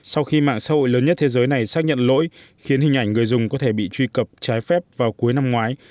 sau khi mạng xã hội lớn nhất thế giới này xác nhận lỗi khiến hình ảnh người dùng có thể bị truy cập trái phép vào cuối năm ngoái